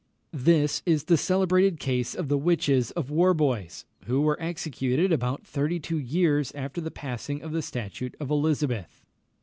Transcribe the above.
This is the celebrated case of the witches of Warbois, who were executed about thirty two years after the passing of the statute of Elizabeth.